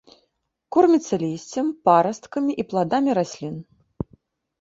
Корміцца лісцем, парасткамі і пладамі раслін.